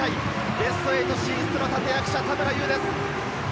ベスト８進出の立役者・田村優です。